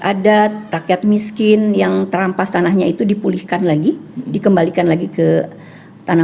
adat rakyat miskin yang terampas tanahnya itu dipulihkan lagi dikembalikan lagi ke tanah